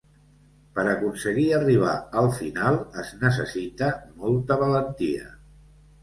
Per aconseguir arribar al final es necessita molta valentia.